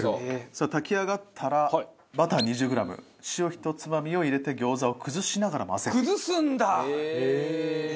さあ炊き上がったらバター２０グラム塩ひとつまみを入れて餃子を崩しながら混ぜる。